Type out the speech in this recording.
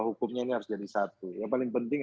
hukumnya ini harus jadi satu yang paling penting